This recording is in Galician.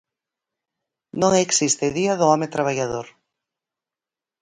Non existe día do home traballador.